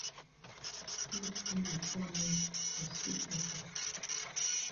If yi be kam yi for see pepper.